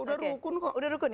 udah rukun kok